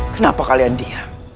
kenapa kalian diam